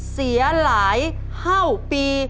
เสียหลายเท่าปี